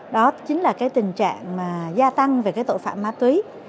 đó chính là cái tình trạng mà gia tăng về cái tội phạm ma túy